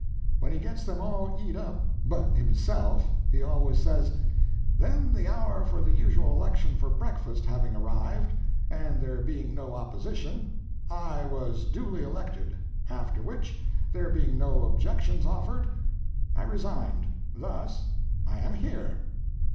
When he gets them all eat up but himself, he always says: 'Then the hour for the usual election for breakfast having arrived, and there being no opposition, I was duly elected, after which, there being no objections offered, I resigned. Thus I am here.'"